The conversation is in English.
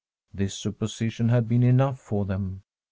This supposition had been enough for them.